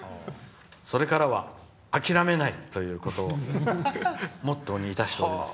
それからは諦めないということをモットーにいたしております。